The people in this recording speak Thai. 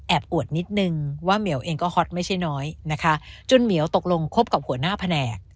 อวดนิดนึงว่าเหมียวเองก็ฮอตไม่ใช่น้อยนะคะจนเหมียวตกลงคบกับหัวหน้าแผนก